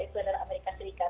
itu adalah amerika serikat